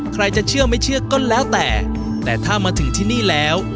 ใครจะเชื่อไม่เชื่อก็แล้วแต่แต่ถ้ามาถึงที่นี่แล้ว